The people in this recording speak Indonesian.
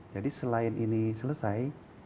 jadi selain ini selesai